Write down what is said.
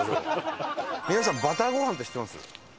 皆さんバターご飯って知ってます？